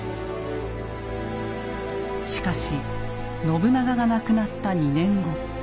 しかし信長が亡くなった２年後。